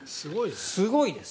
すごいです。